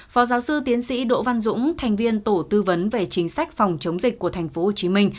phó giáo sư tiến sĩ đỗ văn dũng thành viên tổ tư vấn về chính sách phòng chống dịch của tp hcm